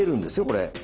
これ。